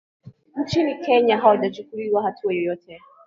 nchini Kenya hawajachukuliwa hatua yoyote